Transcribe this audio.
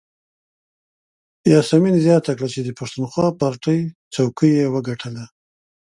یاسمین زیاته کړه چې د پښتونخوا پارټۍ څوکۍ یې وګټله.